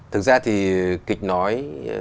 thực ra thì kịch nói